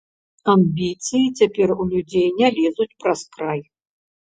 Амбіцыі цяпер у людзей не лезуць праз край.